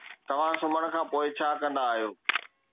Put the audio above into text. توهان سمهڻ کان پوء ڇا ڪندا آهيو؟